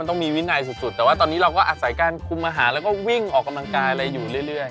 ต้องมีวินัยสุดแต่ว่าตอนนี้เราก็อาศัยการคุมอาหารแล้วก็วิ่งออกกำลังกายอะไรอยู่เรื่อย